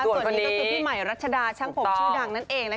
ส่วนคนนี้ได้พี่ใหม่รัชฎาช่างผมชื่อดังนั่นเองนะคะ